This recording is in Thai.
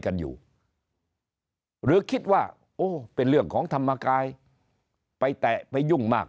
กันอยู่หรือคิดว่าโอ้เป็นเรื่องของธรรมกายไปแตะไปยุ่งมาก